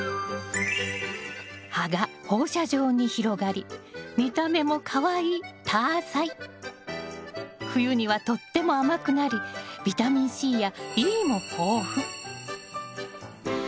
葉が放射状に広がり見た目もかわいい冬にはとっても甘くなりビタミンＣやＥも豊富。